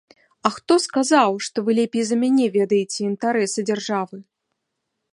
А хто сказаў, што вы лепей за мяне ведаеце інтарэсы дзяржавы?